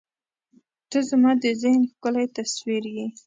• ته زما د ذهن ښکلی تصویر یې.